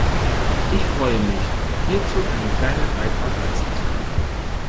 Ich freue mich, hierzu einen kleinen Beitrag leisten zu können.